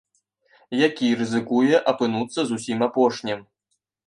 Які рызыкуе апынуцца зусім апошнім.